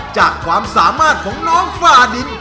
จากความสามารถของน้องฝ่าดิน